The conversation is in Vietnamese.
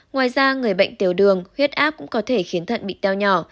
ngoài ra người bệnh tiểu đường huyết áp cũng có thể khiến thận bị teo nhỏ